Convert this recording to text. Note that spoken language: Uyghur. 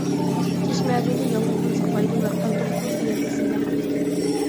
چىش مەجۈنى ياللۇغدىن ساقلايدۇ ۋە قان توختىتىدۇ دېگەن ئېسىمدە قاپتىكەن.